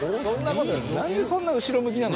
何でそんな後ろ向きなの？